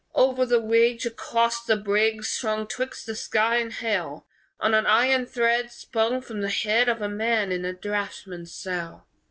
Over the ridge, Across the bridge, Swung twixt the sky and hell, On an iron thread Spun from the head Of the man in a draughtsman's cell.